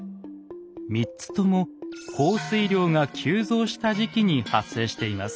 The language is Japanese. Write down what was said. ３つとも降水量が急増した時期に発生しています。